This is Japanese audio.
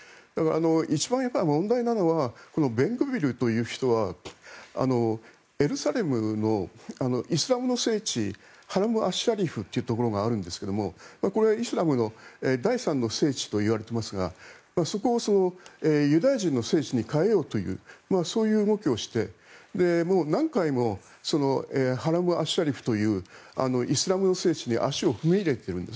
一番問題なのはベングビールという人はエルサレムのイスラムの聖地ハラムアッシャリフというところがあるんですがこれ、イスラムの第３の聖地といわれていますがそこをユダヤ人の聖地に変えようというそういう動きをして、何回もハラムアッシャリフというイスラム聖地に足を踏み入れているんです。